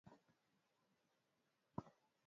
Usitape gulube mafuta ata zima moto